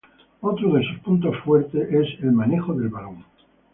Otro de sus puntos fuertes es el manejo del balón.